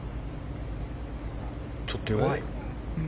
ちょっと弱い。